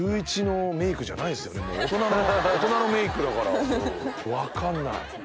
もう大人のメイクだから分かんない。